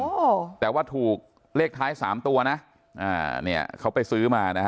โอ้โหแต่ว่าถูกเลขท้ายสามตัวนะอ่าเนี่ยเขาไปซื้อมานะฮะ